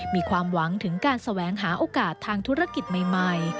มีความหวังถึงการแสวงหาโอกาสทางธุรกิจใหม่